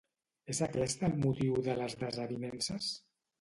És aquest el motiu de les desavinences?